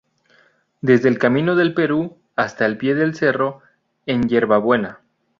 Desde el Camino del Perú hasta el pie del cerro, en Yerba Buena.